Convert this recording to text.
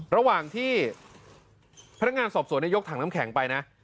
ระหว่างที่พนักงานสอบสวนยกถังน้ำแข็งไปนะ